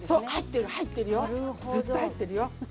ずっと入ってるよ。